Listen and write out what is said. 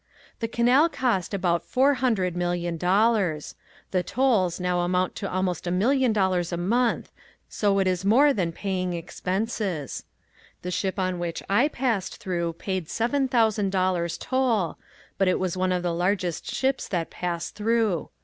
The canal cost about four hundred million dollars. The tolls now amount to almost a million dollars a month so it is more than paying expenses. The ship upon which I passed through paid seven thousand dollars toll, but it was one of the largest ships that pass through.